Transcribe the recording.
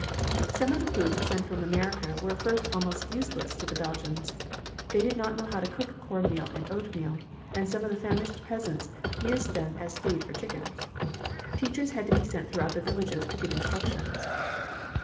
Some of the foods sent from America were at first almost useless to the Belgians. They did not know how to cook cornmeal and oatmeal, and some of the famished peasants used them as feed for chickens. Teachers had to be sent out through the villages to give instructions.